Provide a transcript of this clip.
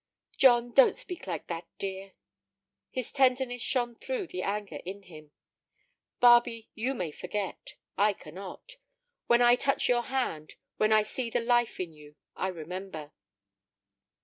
"John, don't speak like that, dear." His tenderness shone through the anger in him. "Barbe, you may forget; I cannot. When I touch your hand, when I see the life in you, I remember."